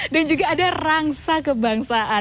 dan juga ada rangsa kebangsaan